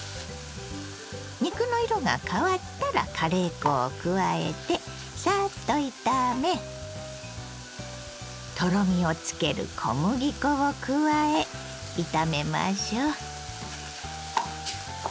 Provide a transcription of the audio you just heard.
肉の色が変わったらカレー粉を加えてさっと炒めとろみをつける小麦粉を加え炒めましょう。